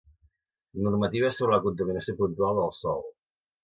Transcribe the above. Normativa sobre la contaminació puntual del sòl.